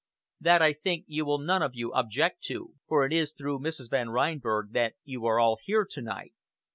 That, I think, you will none of you object to, for it is through Mrs. Van Reinberg that you are all here to night.